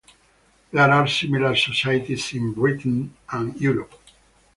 There are similar societies in Britain and Europe.